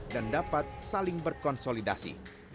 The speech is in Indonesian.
dan dapat saling berkonsolidasi